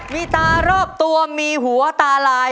มีตารอบตัวมีหัวตาลาย